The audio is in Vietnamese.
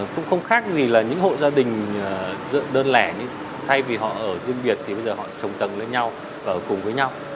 cũng không khác gì là những hộ gia đình dựa đơn lẻ như thay vì họ ở riêng biệt thì bây giờ họ trồng tầng lên nhau và ở cùng với nhau